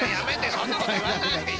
そんなこと言わないで。